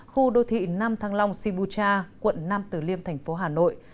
khu đô thị nam thăng long sibu cha quận nam tử liêm thành phố hà nội